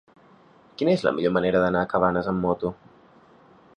Quina és la millor manera d'anar a Cabanes amb moto?